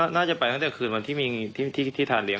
น่าจะไปตั้งแต่คืนวันที่มีที่ทานเลี